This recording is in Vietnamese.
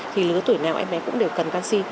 thì lứa tuổi nào em bé cũng đều cần canxi